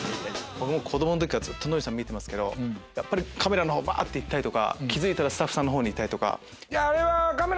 僕も子供の時からずっとノリさん見てますけどカメラのほうバって行ったり気付いたらスタッフのほうにいたり。